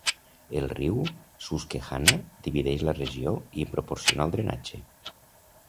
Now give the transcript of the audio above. El riu Susquehanna divideix la regió i en proporciona el drenatge.